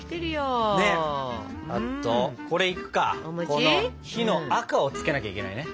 この「日」の赤をつけなきゃいけないね。